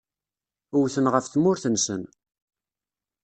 Wten ɣef tmurt-nsen.